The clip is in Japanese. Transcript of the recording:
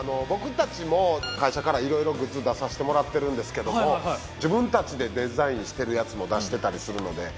僕たちも会社からいろいろグッズ出させてもらってるんですけども自分たちでデザインしてるやつも出してたりするので。